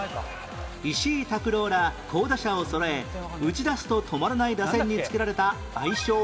石井琢朗ら好打者をそろえ打ち出すと止まらない打線に付けられた愛称は？